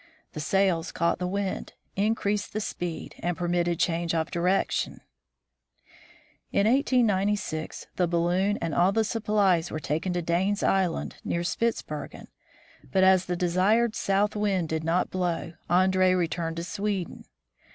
The sails caught the wind, increased the speed, and permitted change of direction: In 1896, the balloon and all the supplies were taken to Dane's island, near Spitsbergen, but as the desired south wind did not blow, Andree returned to Sweden.